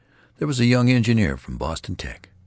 There was a young engineer from Boston Tech.